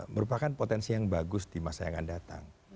merupakan potensi yang bagus di masa yang akan datang